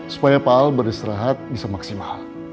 supaya pak al beristirahat bisa maksimal